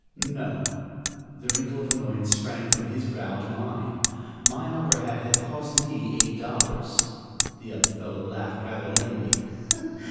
"No." The wrinkle of annoyance sprang from his brow to mine. My opera hat had cost me eight dollars. The young fellow laughed rather lamely.